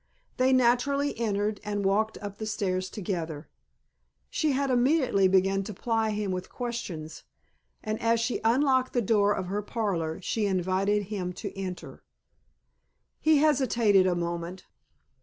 They naturally entered and walked up the stairs together. She had immediately begun to ply him with questions, and as she unlocked the door of her parlor she invited him to enter. He hesitated a moment.